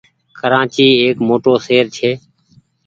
ڪرآچي ايڪ موٽو شهر ڇي۔